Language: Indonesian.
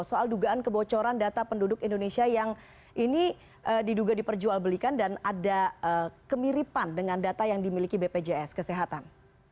soal dugaan kebocoran data penduduk indonesia yang ini diduga diperjualbelikan dan ada kemiripan dengan data yang dimiliki bpjs kesehatan